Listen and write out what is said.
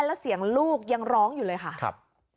แล้วเสียงลูกยังร้องอยู่เลยค่ะครับ